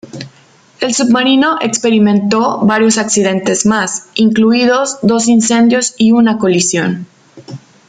El submarino experimentó varios accidentes más, incluidos dos incendios y una colisión.